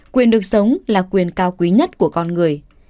quyền được sống là quyền cao quý nhất của con người